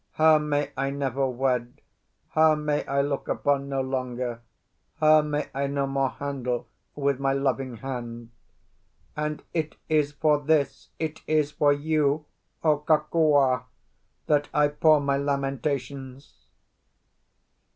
Her may I never wed, her may I look upon no longer, her may I no more handle with my loving hand; and it is for this, it is for you, O Kokua! that I pour my lamentations!"